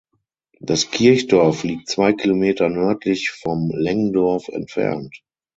Das Kirchdorf liegt zwei Kilometer nördlich von Lengdorf entfernt.